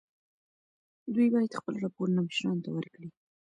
دوی باید خپل راپورونه مشرانو ته ورکړي.